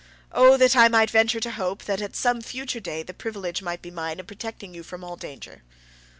Oh, that I might venture to hope that, at some future day, the privilege might be mine of protecting you from all danger!"